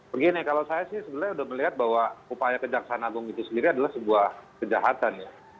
begini kalau saya sih sebenarnya sudah melihat bahwa upaya kejaksaan agung itu sendiri adalah sebuah kejahatan ya